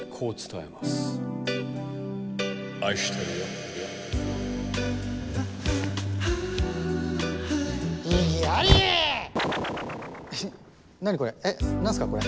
えっ何すかこれ。